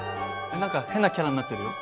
何か変なキャラになってるよ。